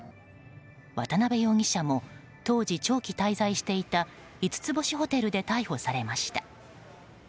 渡辺容疑者も当時、長期滞在していた五つ星ホテルで逮捕されました。